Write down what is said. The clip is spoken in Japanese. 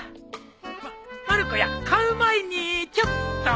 ままる子や買う前にちょっと。